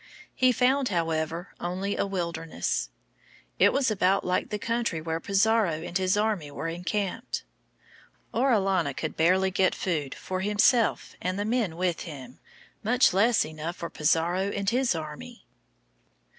He found, however, only a wilderness. It was about like the country where Pizarro and his army were encamped. Orellana could barely get food for himself and the men with him, much less enough for Pizarro and his army.